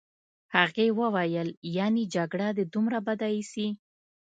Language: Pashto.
هغې وویل: یعني جګړه دي دومره بده ایسي.